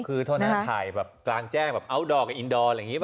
คือเท่านั้นถ่ายแบบกลางแจ้งแบบอัลโดรกับอินโดรอะไรอย่างนี้ป่ะ